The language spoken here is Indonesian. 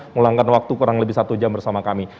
meluangkan waktu kurang lebih satu jam bersama kami